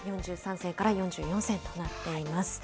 １３７円４３銭から４４銭となっています。